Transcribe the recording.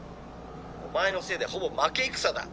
お前のせいでほぼ負け戦だ」。